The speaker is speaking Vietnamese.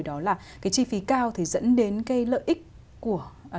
đó là cái chi phí cao thì dẫn đến cái lợi ích của